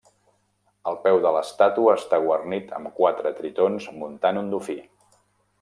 El peu de l'estàtua està guarnit amb quatre tritons muntant un dofí.